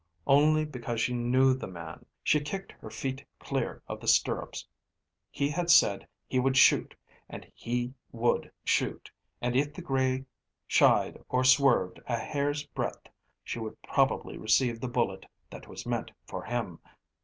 Only, because she knew the man, she kicked her feet clear of the stirrups. He had said he would shoot and he would shoot, and if the grey shied or swerved a hair's breadth she would probably receive the bullet that was meant for him.